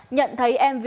nhận thấy mv